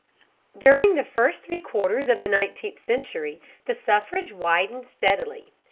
During the first three quarters of the nineteenth century, the suffrage widened steadily.